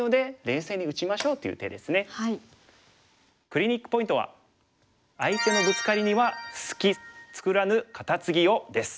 クリニックポイントは相手のブツカリには隙作らぬカタツギをです。